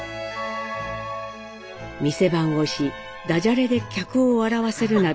店番をしダジャレで客を笑わせるなど